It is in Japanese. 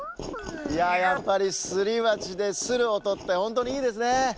いややっぱりすりばちでするおとってほんとにいいですねえ。